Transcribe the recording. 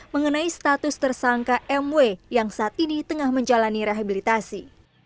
mengenai status tersangka mw yang saat ini tengah menjalani rehabilitasi